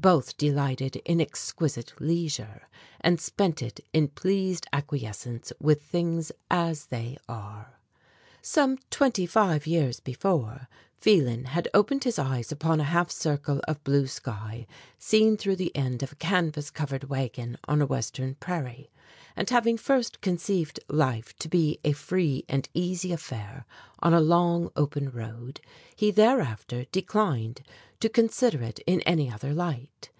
Both delighted in exquisite leisure, and spent it in pleased acquiescence with things as they are. Some twenty five years before, Phelan had opened his eyes upon a half circle of blue sky, seen through the end of a canvas covered wagon on a Western prairie, and having first conceived life to be a free and easy affair on a long, open road, he thereafter declined to consider it in any other light.